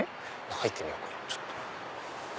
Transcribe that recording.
入ってみようかな。